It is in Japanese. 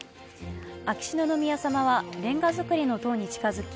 秋篠宮さまはれんが造りの塔に近づき